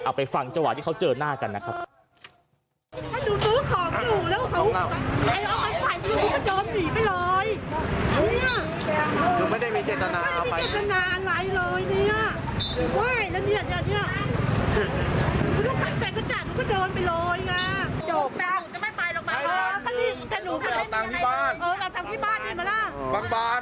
ไปฟังจังหวะที่เขาเจอหน้ากันนะครับ